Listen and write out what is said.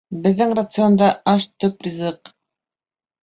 Беҙҙең рационда аш төп ризыҡ